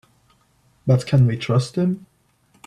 But can we trust him?